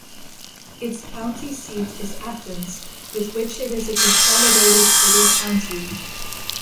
Its county seat is Athens, with which it is a consolidated city-county.